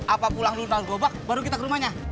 apa pulang lu ntar gerobak baru kita ke rumahnya